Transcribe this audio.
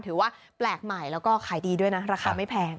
ถือว่าแปลกใหม่แล้วก็ขายดีด้วยนะราคาไม่แพง